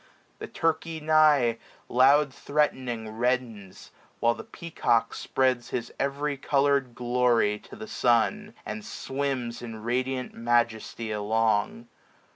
The turkey nigh, Loud threatning, reddens ; while the peacock spreads His every colour'd glory to the sun, 781 And swims in radiant majesty along.